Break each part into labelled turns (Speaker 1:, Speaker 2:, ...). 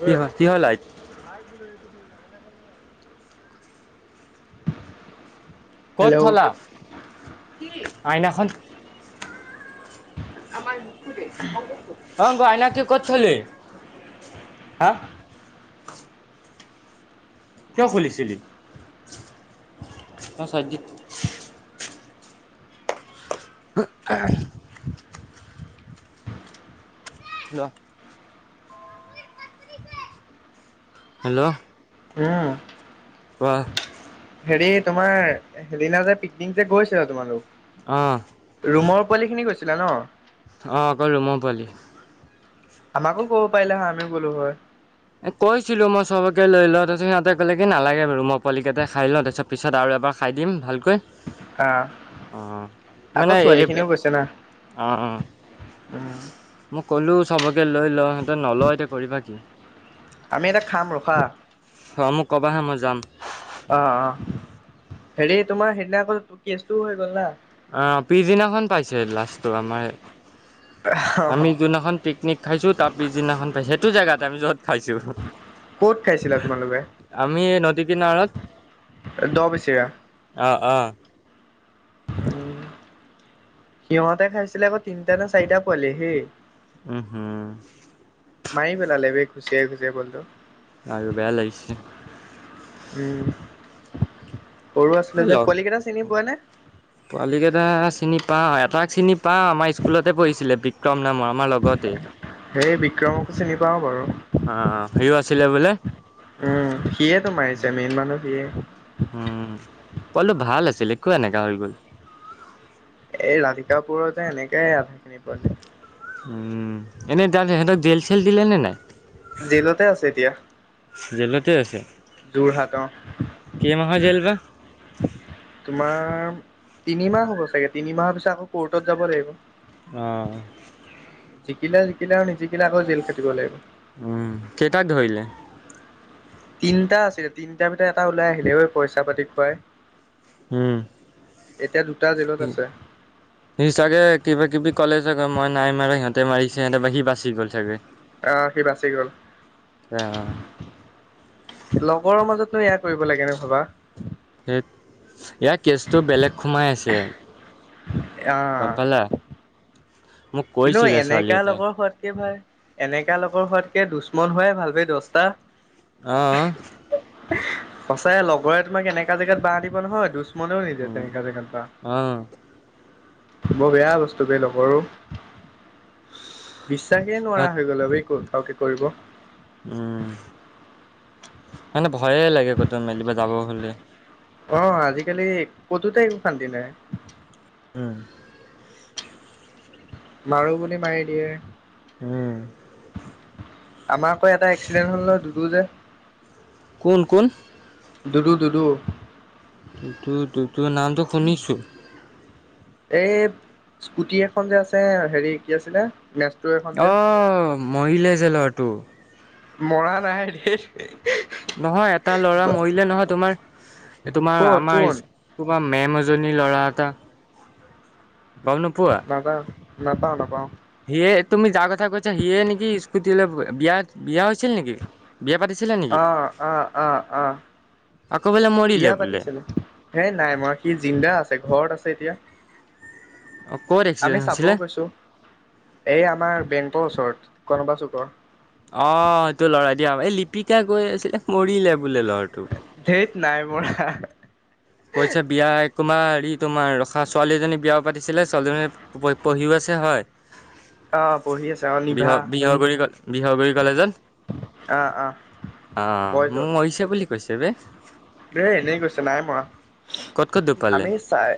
Speaker 1: কি দেহা কিহৰ লাইট। হাই গিলয় তুমি [unintelligible] ক'ত
Speaker 2: হেল্ল'
Speaker 1: থলা আইনাখন। অ' অংকুৰ আইনা কি ক'ত থলি হা। কিয় খুলিছিলি অ [unintelligible] [unintelligible] ন হেল্ল'
Speaker 2: উম।
Speaker 1: কোৱাহ
Speaker 2: হেৰি তোমাৰ সেইদিনা যে পিকনিক যে গৈছিল আৰু তোমালোক।
Speaker 1: অ'
Speaker 2: ৰুমৰ পোৱালিখিনি গৈছিলা ন।
Speaker 1: অ' অকল ৰুমৰ পোৱালি।
Speaker 2: আমাকো ক'ব পাৰিলা হয় আমিও গ'লো হয়।
Speaker 1: এ কৈছিলোঁ। মই চবকে লৈ লওঁ তাৰপিছত সিহঁতে ক'লে কি নালাগে বাৰু ম পোৱালি কেইটা খাই লওঁক। তাৰপিছত পিছত আৰু এবাৰ খাই দিম ভালকৈ।
Speaker 2: আহ
Speaker 1: অ'
Speaker 2: আকৌ
Speaker 1: মানে
Speaker 2: ছোৱালী
Speaker 1: এই
Speaker 2: খিনিও গৈছে না
Speaker 1: অ', অ'।
Speaker 2: উম
Speaker 1: মই ক'লো চবকে লৈ ল, সিহঁতে নলওঁ এতিয়া কৰিবা কি।
Speaker 2: আমি এটা খাম ৰখা।
Speaker 1: হয়, মোক ক'বাহে মই যাম।
Speaker 2: অ', অ'। হেৰি তোমাৰ সেইদিনা আকৌ কেচটোও হৈ গ'ল না।
Speaker 1: অ' পিছদিনাখন পাইছে, লাষ্টটো আমাৰ আমি যোননাখন পিকনিক খাইছো তাৰ পিছদিনাখন পাই, সেইটো জেগাত আমি য'ত খাইছো।
Speaker 2: ক'ত খাইছিলা তোমালোকে
Speaker 1: এই নদী কিনাৰত
Speaker 2: দ' বেছেৰীয়া?
Speaker 1: অ', অ'।
Speaker 2: উম সিহঁতে খাইছিলে আকৌ তিনিটা নে চাৰিটা পোৱালি হেই।
Speaker 1: উ, হু।
Speaker 2: মাৰি পেলালে বে, ঘুচিয়াই ঘুচিয়াই বল্টু।
Speaker 1: আৰু বেয়া লাগিছে।
Speaker 2: উম, সৰু আছিলে যে পলিকেইটা চিনি পোৱা নে?
Speaker 1: পোৱালীকেইটা চিনি পাওঁ, এটাক চিনি পাওঁ আমাৰ স্কুলতে পঢ়িছিলে বিক্ৰম নামৰ আমাৰ লগতে।
Speaker 2: সেই বিক্ৰমকো চিনি পাওঁ বাৰু।
Speaker 1: অ' সিও আছিলিলে বোলে?
Speaker 2: উম, সিয়েতো মাৰিছে, মেইন মানুহ সিয়ে।
Speaker 1: উম, কলো ভাল আছিলে কা এনেককা হৈ গ'ল?
Speaker 2: এই ৰাধিকাপুৰতে এনেকে আধাখিনি পোৱা যায়।
Speaker 1: উম, এনে দাম সিহঁতক জেল চেল দিলে নে নাই?
Speaker 2: জেলতে আছে এতিয়া।
Speaker 1: জেলতে আছে।
Speaker 2: যোৰহাট অ'।
Speaker 1: কেই মাহৰ জেল বা।
Speaker 2: তোমাৰ তিনিমাহ হ'ব চাগে, তিনিমাহৰ পিছত আকৌ কৰ্টত যাব লাগিব।
Speaker 1: অ'।
Speaker 2: জিকিলে জিকিলে আৰু নিজিকিলে আকৌ জেল খাটিব লাগিব।
Speaker 1: উম, কেইটাক ধৰিলে?
Speaker 2: তিনটা আছিলে তিনটাৰ ভিতৰত এটা ওলাই আহিলে ঐ পইচা পাতি খুৱাই।
Speaker 1: হুম।
Speaker 2: এতিয়া দুটা জেলত আছে।
Speaker 1: সি চাগে কিবা কিবি ক'লে ছাগে মই নাই মাৰা, সিহঁতে মাৰিছে সিহঁতে বা সি বাচি গ'ল ছাগৈ।
Speaker 2: অ' সি বাচি গ'ল।
Speaker 1: অ', অ'।
Speaker 2: লগৰৰ মাজতো এয়া কৰিব লাগে নে ভাবা।
Speaker 1: ধেৎ, ইয়াৰ কেছটো বেলেগ সোমাই আছে।
Speaker 2: আ,
Speaker 1: গম
Speaker 2: আ
Speaker 1: পালা। মোক
Speaker 2: কিন্তু
Speaker 1: কৈছিলে ছোৱালী
Speaker 2: এনেকা
Speaker 1: এটাই
Speaker 2: লগৰ হোৱাতকে ভাল এনেকা লগৰ হোৱাতকে দুছমন হোৱাই ভাল পাই দছটা।
Speaker 1: অ', অ'।
Speaker 2: সঁচাই লগৰে তোমাক এনেকা জেগাত বাহ দিব নহয় দুছ মনেও নিদিয়ে
Speaker 1: উম
Speaker 2: তেনেকা জেগাত।
Speaker 1: আহ
Speaker 2: বৰ বেয়া বস্তু বে লগৰো। বিশ্বাসেই নোৱাৰা হৈ গ'ল এই কৰিব
Speaker 1: উম। মানে ভয়ে লাগে কতো মেলিব যাব হ'লে।
Speaker 2: অ' আজিকালি কতোতে একো শান্তি নাই।
Speaker 1: উম।
Speaker 2: মাৰো বুলি মাৰি দিয়ে।
Speaker 1: উম।
Speaker 2: আমাৰ আকৌ এটা এক্সিডেণ্ট হ'ল নহয় দুডু যে
Speaker 1: কোন? কোন?
Speaker 2: দুুডু, দুুডু।
Speaker 1: দুডু-দুডু নামটো শুনিছোঁ।
Speaker 2: এই স্কুটি এখন যে আছে, হেৰি কি আছিলে এখন যে
Speaker 1: অ', মৰিলে যে লৰাটো?
Speaker 2: মৰা নাই [unintelligible]
Speaker 1: নহয় এটা ল'ৰা মৰিলে নহয়, তোমাৰ-তোমাৰ
Speaker 2: ক'ত কোন
Speaker 1: আমাৰ তোমাৰ মেম এজনীৰ ল'ৰা এটা, গম নোপোৱা?
Speaker 2: নাপাওঁ, নাপাওঁ, নাপাওঁ
Speaker 1: সিয়ে, তুমি যাৰ কথা কৈছা। সিয়ে নেকি স্কুটি লৈ বিয়া বিয়া হৈছিল নেকি? বিয়া পাতিছিলে নেকি?
Speaker 2: আহ, আহ, আহ, আহ,
Speaker 1: আকৌ বোলে মৰিলে
Speaker 2: বিয়া
Speaker 1: বোলে
Speaker 2: পাতিছিলে। হে নাই মৰা সি জিন্দা আছে, ঘৰত আছে এতিয়া
Speaker 1: অ' ক'ত
Speaker 2: আমি
Speaker 1: এক্সিডেণ্ট
Speaker 2: চাবও
Speaker 1: হৈছিলে?
Speaker 2: গৈছো, এই আমাৰ বেংকৰ ওচৰত কনবা চুকৰ।
Speaker 1: অ', এইটো ল'ৰাই দিয়া, এই লিপিকাই কয় আছিলে মৰিলে বোলে লৰাটো?
Speaker 2: ধেৎ নাই মৰা।
Speaker 1: কৈছে বিয়া [unintelligible] হেৰি তোমাৰ, ৰখা ছোৱালী এজনী বিয়াও পাতিছিলে ছোৱালীজনী পঢি-পঢ়িও আছে, হয়।
Speaker 2: অ পঢ়ি আছে
Speaker 1: [unintelligible] অ', মোক
Speaker 2: নিভা অ অ
Speaker 1: মৰিছে বুলি কৈছে বে
Speaker 2: হেই এনেই কৈছে, নাই মৰা
Speaker 1: ক'ত ক'ত দুখ পালে
Speaker 2: আমি চাই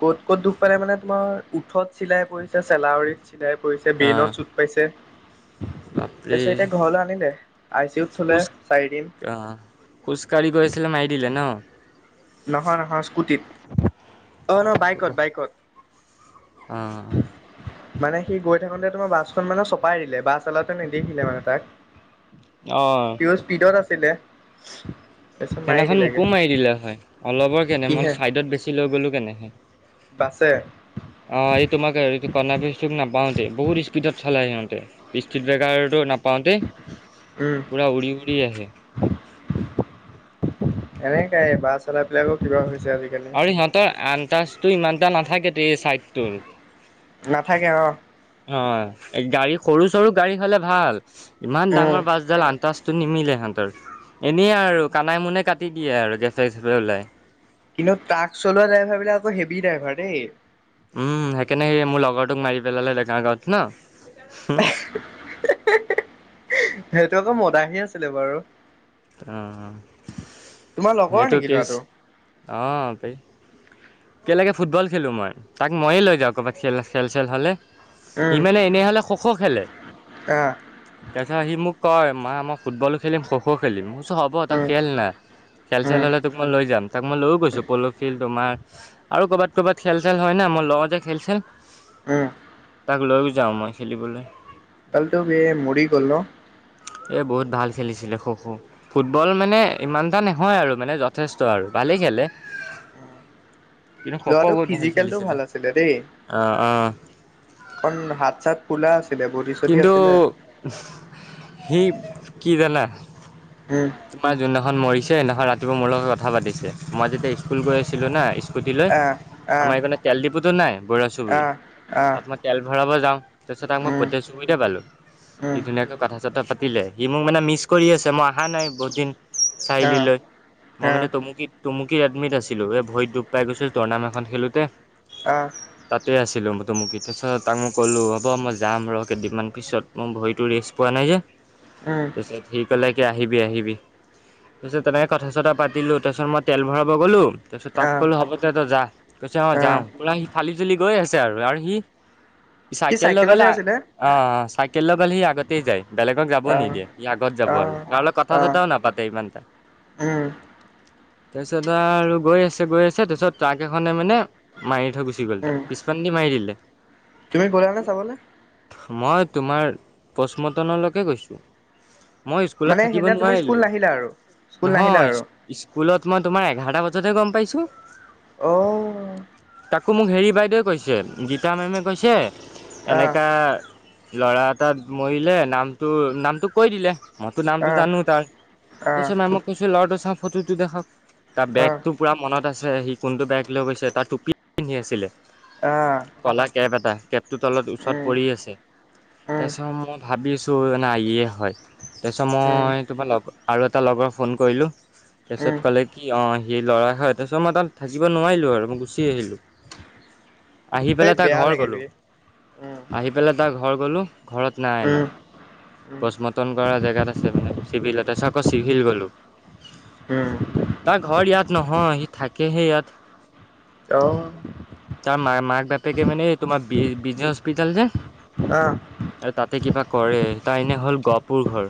Speaker 2: ক'ত-ক'ত দুখ পালে মানে তোমাৰ উঠত চিলাই পৰিছে, চেলাউৰিত চিলাই পৰিছে, ব্ৰেইনত
Speaker 1: অ'
Speaker 2: চুত পাইছে,
Speaker 1: বাপৰে
Speaker 2: তাৰপিছত এতিয়া ঘৰলৈ আনিলে? আই চি ইউত থ'লে
Speaker 1: খোজ
Speaker 2: চাৰিদিন।
Speaker 1: অ', খোজকাঢ়ি গৈ আছিলে, মাৰি দিলে নহ?
Speaker 2: নহয়, নহয়, স্কুটিত। অ', নহয় বাইকত, বাইকত
Speaker 1: অ'।
Speaker 2: মানে সি গৈ থাকোতে তোমাৰ বাছখন মানে চপাই দিলে, বাছ [unintelligible] নেদেখিলে মানে তাক
Speaker 1: অ'।
Speaker 2: সিও স্পীডত আছিলে তাৰপিছত মাৰি
Speaker 1: সেইদিনাখন
Speaker 2: দিলেগে
Speaker 1: মোকো মাৰি দিলে হয়, অলপৰ কেনে
Speaker 2: কিহে
Speaker 1: ছাইডত বেছি লৈ গ'লো কেনেহে।
Speaker 2: বাছে?
Speaker 1: অ', এই তোমাক [unintelligible] চুক নাপাওঁতে, বহুত স্পীডত চলাই সিহঁতে। [unintelligible] বেগাৰটো নাপাওঁতে,
Speaker 2: উম
Speaker 1: পুৰা উৰি উৰি আহে।
Speaker 2: এনেকাই বাছআলা বিলাকক [unintelligible] কিবা হৈছে আজ
Speaker 1: আৰু সিহঁতৰ আন্তাজটো ইমানটা নাথাকে, তে এই চাইডটোৰ। অ',
Speaker 2: নাথাকে অ
Speaker 1: এই গাড়ী সৰু চৰু গাড়ী হ'লে ভাল, ইমান
Speaker 2: উম
Speaker 1: ডাঙৰ বাছডাল আন্তাজটো নিমিলেহেঁনতৰ, এনেই আৰু কানাই মুনে কাটি দিয়ে আৰু গেপে গেপে ওলাই।
Speaker 2: কিন্তু ট্ৰাক চলোৱা ড্ৰাইভাৰ বিলাক আকৌ হেভি ড্ৰাইভাৰ দেই।
Speaker 1: উম, সেইকাৰনে মোৰ লগৰটোক মাৰি পেলালে, [unintelligible] গাঁৱত নহ?
Speaker 2: সিহটো আকৌ মদাহি আছিলে বাৰু।
Speaker 1: অ',
Speaker 2: তোমাৰ লগৰ
Speaker 1: সটো
Speaker 2: নেকি
Speaker 1: কি?
Speaker 2: ল'ৰাটো
Speaker 1: অ', পাই একেলগে ফুটবল খেলোঁ মই, তাক মইয়ে লৈ যাওঁ ক'ৰবাত খেল খেল চেল হ'লে। সি
Speaker 2: উম
Speaker 1: মানে এনে হ'লে খ-খ খেলে।
Speaker 2: আহ
Speaker 1: তাৰপিছত সি মোক কয়, মা মই ফুটলো খেলিম খ খেলিম মোৰ কৈছো হ'ব, তই
Speaker 2: উম
Speaker 1: খেল না খেল-চেল
Speaker 2: উম
Speaker 1: হ'লে তো মই লৈ যাম তাক মই লৈ গৈছোঁ, পল' ফিল্ড তোমাৰ আৰু কৰ'বাত-ক'ৰবাত খেল চেল হয় না, মোৰ লগৰ যে খেল চেল
Speaker 2: উম।
Speaker 1: তাক লৈয়ো যাওঁ মই খেলিবলে।
Speaker 2: কালটো বেহ মৰি গ'ল নহ।
Speaker 1: এই বহুত ভাল খেলিছিলে খো খো। ফুটবল মানে ইমানটা নহয় আৰু মানে যথেষ্ট আৰু ভালেই খেলে। কিন্তু খো খো
Speaker 2: ল'ৰাটো
Speaker 1: বহুত ভাল
Speaker 2: ফিজিকেলটো
Speaker 1: খেলিছিলো
Speaker 2: আছিলে দেই
Speaker 1: অ', অ'।
Speaker 2: [unintelligible] হাত চাত ফুলা আছিলে ব
Speaker 1: কিন্তু সি কি জানা
Speaker 2: উম।
Speaker 1: তোমাৰ যোনদিনাখন মৰিছে সিদিনাখন ৰাতিপুৱা মোৰ লগত কথা পাতিছে মই যেতিয়া স্কুল গৈ আছিলো না গুটি লৈ
Speaker 2: আহ আহ
Speaker 1: আমাৰ এইকাৰণে তেল ডিপুটো নাই বৰা চুবুৰী
Speaker 2: আহ আহ
Speaker 1: তাত মই তেল ভৰাব যাওঁ, তাৰপিছত তাক
Speaker 2: উম
Speaker 1: মই [unintelligible] পালো। সি
Speaker 2: উম
Speaker 1: ধুনীয়াকৈ কথা চথা পাতিলে সি মোক মানে মিছ কৰি আছে মই অহা নাই বহুত দিন চাইলি
Speaker 2: আহ
Speaker 1: লৈ মই
Speaker 2: আহ
Speaker 1: মানে তুমু কি মুকি এডমিট আছিলোঁ ভৰিত দুুখ পাই গৈছিলো টৰ্ণামেটখন খেলোঁতে
Speaker 2: অ'।
Speaker 1: তাতে আছিলো মই তুমুকি তাৰপিছত তাক মই কলো হ'ব মই যাম ৰ' কেইদিনমান পিছত মোৰ ভৰিটো ৰেষ্ট পোৱা নাই যে।
Speaker 2: উম।
Speaker 1: তাৰপিছত সি ক'লে কি আহিবি আহিবি। তাৰ পিছত তেনেকে কথা চথা পাতিলো তাৰপিছত মই তেল ভৰাব গ'লো। তাৰপিছত তাক
Speaker 2: আহ
Speaker 1: ক'লো হব দে তই যা, কৈছে অ' যাও।
Speaker 2: আহ
Speaker 1: ফালি চুলি গৈ আছে আৰু আৰু সি
Speaker 2: সি
Speaker 1: চাইকেল লগালে
Speaker 2: চাইকেলতহে আছিলে
Speaker 1: অ' চাইকেল লৈ গ'লে সি আগতে যায় বেলেগক যাব
Speaker 2: আহ
Speaker 1: নিদিয়ে সি আগত যাব আৰু
Speaker 2: আহ
Speaker 1: তাৰ লগত ক কথা
Speaker 2: আহ
Speaker 1: চথাও নাপাতে ইমান এটা।
Speaker 2: উম।
Speaker 1: তাৰপিছত আৰু গৈ আছে গৈ আছে তাৰপিছত ট্ৰাক এখনে মানে মাৰি থৈ গুচি উঠি গ'ল
Speaker 2: উম
Speaker 1: তাক, পিছপান দি মাৰি দিলে।
Speaker 2: তুমি গ'লা নে চাবলৈ
Speaker 1: মই তোমাৰ পষ্টমৰ্টনলৈকে গৈছোঁ। মই স্কুলত
Speaker 2: মানে
Speaker 1: থাকিব
Speaker 2: সেইদিনা তুমি স্কুল
Speaker 1: নোৱাৰিলো
Speaker 2: নাহিলা আৰু স্কুল নাহিলা আৰু
Speaker 1: নহয় স্কুলত মই তোমাৰ এঘাৰটা বজাতহে গম পাইছো।
Speaker 2: অ'।
Speaker 1: তাকো মোক হেৰি বাইদেৱে কৈছে গীতা মেমে কৈছে এনেকে
Speaker 2: আহ
Speaker 1: ল'ৰা এটাত মৰিলে, নামটো নামটো কৈ দিলে। মইতো নামটো
Speaker 2: আহ
Speaker 1: জানো তাৰ,
Speaker 2: আহ
Speaker 1: তাৰপিছত মেমক কৈছো ল'ৰাটো চাওঁ ফটোটো দেখাওক তাৰ বেগটো পুৰা মনত আছে সি কোনটো বেগ লৈ গৈছে তাৰ টোপি পিন্ধি আছিলে
Speaker 2: আহ
Speaker 1: কলা কেপ এটা, কেপটোৰ তলত ওচৰত
Speaker 2: উম
Speaker 1: পৰি আছে
Speaker 2: উম
Speaker 1: তাৰপিছত মই ভাবি আছো তো নাই ইয়ে হয় তাৰপিছত
Speaker 2: উম
Speaker 1: মই তোমাৰ লগ আৰু এটা লগৰ ফোন কৰিলোঁ।
Speaker 2: উম
Speaker 1: তাৰপিছত ক'লে কি অ' সি ল'ৰা হয় তাৰপিছত মই তাত থাকিব নোৱাৰিলোঁ আৰু মই গুচি আহিলোঁ। আহি
Speaker 2: সেই
Speaker 1: পেলাই তাৰ
Speaker 2: বেয়া
Speaker 1: ঘৰ
Speaker 2: লাগে
Speaker 1: গ'লো।
Speaker 2: বে উম।
Speaker 1: আহি পেলাই তাৰ ঘৰ গ'লোঁ, ঘৰত নাই আনা।
Speaker 2: উম উম
Speaker 1: পচমৰ্তন কৰা জেগাত আছে মানে চিভিলত তাৰপিছত আকৌ চিভিল গ'লো।
Speaker 2: উম।
Speaker 1: তাৰ ঘৰ ইয়াত নহয়, সি থাকেহে ইয়াত।
Speaker 2: অ'।
Speaker 1: তাৰ মা মাক বাপেকে মানে তোমাৰ বি বিজে হস্পিতাল যে
Speaker 2: অ'।
Speaker 1: আৰু তাতে কিবা কৰে তাৰ এনে হ'ল গহপুৰ ঘৰ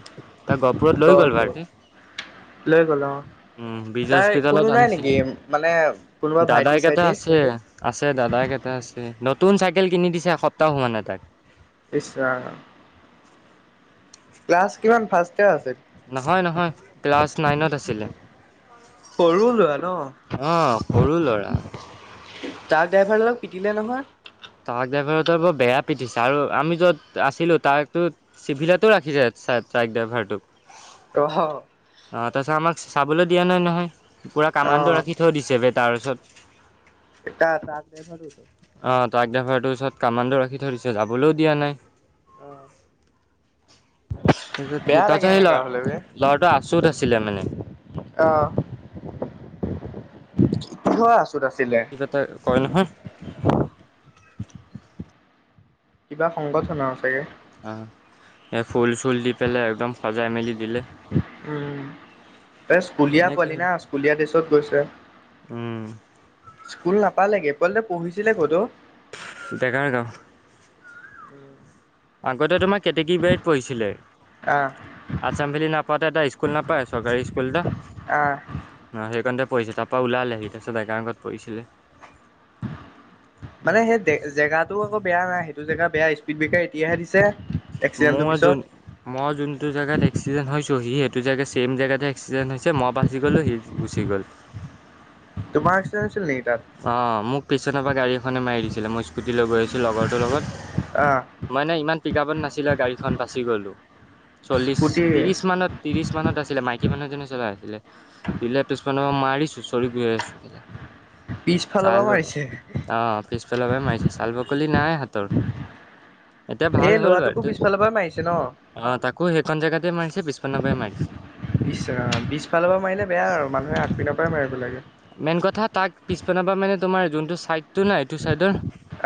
Speaker 1: তাৰ গহপুৰত
Speaker 2: ক
Speaker 1: লৈ গ'ল
Speaker 2: ক
Speaker 1: [unintelligible]
Speaker 2: লৈ গ'লো অ'।
Speaker 1: উম বিজে
Speaker 2: তাই কোনো
Speaker 1: হস্পিতালত
Speaker 2: নাই নেকি
Speaker 1: আনিছিলে
Speaker 2: মানে কোনোবা ভাইটি
Speaker 1: দাদাই কেইটা
Speaker 2: চাইটি।
Speaker 1: আছে আছে দাদাক এটা আছে নতুন চাইকেল কিনি দিছে এসপ্তাহ হোৱা নাই তাক
Speaker 2: ইচ্ ৰাম। ক্লাছ কিমান ফাৰ্ষ্ট ইয়াৰ আছিল।
Speaker 1: নহয় নহয় ক্লাছ নাইনত আছিলে।
Speaker 2: সৰু লোৱা ন।
Speaker 1: অ সৰু ল'ৰা
Speaker 2: ট্ৰাক ড্ৰাইভাৰজনক পিটিলে নহয়।
Speaker 1: ট্ৰাক ড্ৰাইভাৰতো বৰ বেয়া পিটিছে আৰু আমি য'ত আছিলো তাৰো চিভিলা ৰাখিছে ট্ৰাইক ড্ৰাইভাৰটোক
Speaker 2: অহ।
Speaker 1: অ', তাৰপিছত আমাক চাবলৈ দিয়া নাই নহয় পুৰা কামাণ্ডো
Speaker 2: অহ
Speaker 1: ৰাখি থৈ দিছে তাৰ ওছৰত।
Speaker 2: এতা [unintelligible] ভৰোছো
Speaker 1: অ', ট্ৰাক ড্ৰাইভাৰটো ওচৰত কামাণ্ডো ৰাখি ধৰিছে যাবলৈও দিয়া নাই।
Speaker 2: অ
Speaker 1: [unintelligible] তাৰপিছত কি
Speaker 2: বেয়া
Speaker 1: তাৰ
Speaker 2: লাগে
Speaker 1: পিছত সেই ল
Speaker 2: এনেকা হ'লে
Speaker 1: ল'ৰাটো আছোত আছিলে মানে।
Speaker 2: আহ হোৱা আছোত আছিলে।
Speaker 1: কিবা এটা কয় নহয়।
Speaker 2: কিবা সংগঠৰ চাগে।
Speaker 1: অ', এই ফুল চুল দি পেলাই একদম সজাই মেলি দিলে।
Speaker 2: উম, এই স্কুলীয়া
Speaker 1: তেনেকে
Speaker 2: পোৱালি না স্কুলীয়া ড্ৰেছত গৈছে।
Speaker 1: উম
Speaker 2: স্কুল নাপালেগে পোৱালিটো পঢ়িছিলে ক'তো ও?
Speaker 1: ডেকাৰাৰ গাঁও।
Speaker 2: [inaudible]
Speaker 1: আগতে তোমাৰ কেতেকিবাৰী বাৰীত পঢ়িছিলে।
Speaker 2: অ'।
Speaker 1: আচাম ভেলি নাপাওঁতে এটা স্কুল নাপায় চৰকাৰী স্কুল এটা
Speaker 2: আহ।
Speaker 1: নহ সেই কণতে পঢ়ছিল তাৰ পা ওলালে তাৰছত ডেকাৰ আগত পঢ়িছিলে। [inaudible]
Speaker 2: মানে সেই জেগা আকৌ বেয়া নাই সেইটো জেগা বেয়া স্পীড ব্ৰেকাৰ এতিয়াহে দিছে। এক্সিডেণ্টটোৰ
Speaker 1: মই
Speaker 2: পিছত
Speaker 1: যোন মই যোনটো জেগাত এক্সিডেণ্ট হৈছোঁ সি সেইটো জেগাত চেম জেগাতে এক্সিডেণ্ট হৈছে মই বাছি গ'লো সি গুচি গ'ল।
Speaker 2: তোমাৰ এক্সিডেণ্টত হৈছিল নেকি তাত।
Speaker 1: অ', মোক পিচনৰ পৰা গাড়ী এখনে মাৰি দিছিলে মই স্কুটি লৈ গৈ আহিছোঁ লগৰটোৰ লগত
Speaker 2: অহ।
Speaker 1: মইনে ইমান পিক আপত নাছিলে গাড়ীখন বাচি গ'লোঁ চল্লিছ
Speaker 2: স্কুটি
Speaker 1: ত্ৰিছ মানত ত্ৰিছ মানত আছিলে মাইকী মানুহজনে চলাই আছিলে দিলে পিছ মমানৰ পৰা মাৰি চুচৰি গৈ আছো
Speaker 2: পিছফালৰ
Speaker 1: চাল
Speaker 2: পৰা
Speaker 1: ব
Speaker 2: মাৰিছে
Speaker 1: আহ পিছফালৰ পৰা মাৰিছে চাল বাকলি নাই হাতৰ। এতিয়া
Speaker 2: এ
Speaker 1: ভাল হ'ল
Speaker 2: লৰাটোকো
Speaker 1: বাৰু
Speaker 2: পিছফালৰ পৰা মাৰিছে ন।
Speaker 1: অ', তাক সেইকন জাগাতে মাৰিছে পিছপিন্ন পৰা মাৰিছে।
Speaker 2: ইচ্ ৰাম পিচফালৰ পৰা মাৰিলে বেয়া আৰু মানুহে আগ পিননৰ পৰাই মাৰিব লাগে।
Speaker 1: মেইন কথা তাক পিছপনাবা মানে তোমাৰ যোনটো চাইডটো নাই সেইটো চাইডৰ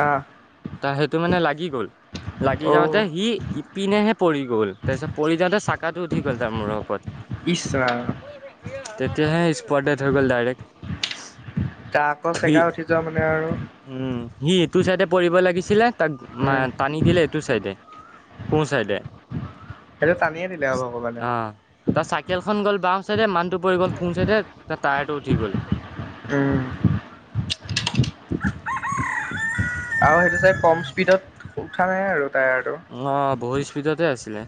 Speaker 2: আহ
Speaker 1: তাৰ সেইটো মানে লাগি গ'ল লাগি
Speaker 2: অ
Speaker 1: যাওঁতে সি পিনেহে পৰি গ'ল তাৰপিছত পৰি যাওঁতে চাকাটো উঠি গল তাৰ মূৰ ওপৰত
Speaker 2: ইচ ৰাম।
Speaker 1: তেতিয়াহে স্পট হৈ গ'ল ডাইৰেক্ট।
Speaker 2: ট্ৰাক আকৌ
Speaker 1: সি
Speaker 2: চেগাই উঠি যোৱা মানে আৰু
Speaker 1: উম, সি তোৰ চাইডে পৰিব লাগিছিলে তাক
Speaker 2: উম
Speaker 1: টানি গিল তোৰ চাইডে সো চাইডে অ'।
Speaker 2: সেইটো টানিয়ে দিলে আৰু ভগৱানে
Speaker 1: তাত চাইকেলখন গ'ল বাওঁ চাইডে মানহটো পৰি গ'ল সো ছাইডে তাৰ টায়াৰটো উঠি গ'ল।
Speaker 2: উম, আৰু সেইটো চাই কম স্পীডত উ উঠা নাই আৰু টায়াৰটো
Speaker 1: অ, ' বহুত স্পীডতে আছিলে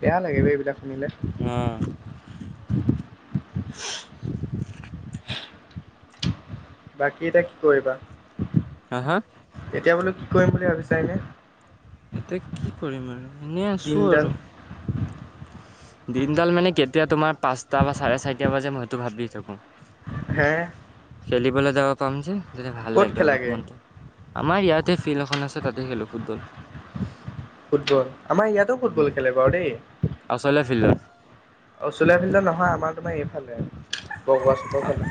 Speaker 2: বেয়া লাগে এইবিলাক শুনিলে
Speaker 1: অ',
Speaker 2: বাকী, এতিটা কি কৰিবা
Speaker 1: হা, হা
Speaker 2: এতিয়া বোলো কি কৰিম বুলি ভাবিছা এনে
Speaker 1: এতিয়া কি কৰিম, আৰু এনেই আছো
Speaker 2: দিনডাল
Speaker 1: আৰু দিনডাল মানে, কেতিয়া তোমাৰ পাঁচটা বা চাৰে চাৰিটা বাজে মইতো ভাবি থাকো
Speaker 2: হে
Speaker 1: খেলিবলৈ যাব পাম যে, তেতিয়া ভাল
Speaker 2: ক'ত
Speaker 1: লাগে অলপ
Speaker 2: খেলাগে
Speaker 1: মনটো আমাৰ ইয়াতে ফিল্ড এখন আছে, তাতে খেলো ফুটবল
Speaker 2: ফুটবল আমাৰ ইয়াতো ফুটবল, খেলে বাৰু দেই অ,
Speaker 1: আচলে ফিল্ডত
Speaker 2: 'চুলীয়া ফিল্ড নহয়, আমাৰ তোমাৰ এইফালে বগোৱা চকৰ ফালে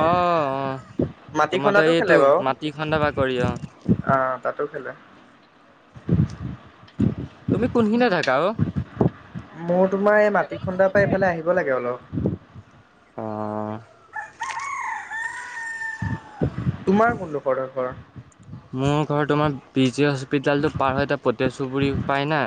Speaker 1: অ', অ',
Speaker 2: মাটি
Speaker 1: তোমাৰো
Speaker 2: খন্দাতো খেলে
Speaker 1: এইটো
Speaker 2: বাৰু
Speaker 1: মাটি খন্দা বা কৰি অ',
Speaker 2: অ', তাতো খেলে
Speaker 1: তুমি কোনখিনিে থাকা অ
Speaker 2: মোৰ তোমাৰ এই মাটি খন্দাৰ পৰা এইফালে আহিব লাগে অলপ
Speaker 1: অ',
Speaker 2: তোমাৰ কোন লোখৰত ডাকঘৰ
Speaker 1: মোৰ ঘৰৰত তোমাৰ, বি জি হস্পিটেলটো পাৰ হয়, এয়া পতে চুবুৰী পায় না